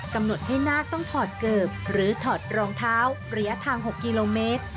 กำหนดให้นาคต้องถอดเกิบหรือถอดรองเท้าระยะทาง๖กิโลเมตร